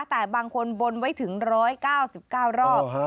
แต่บางคนบนไว้ถึง๑๙๙รอบ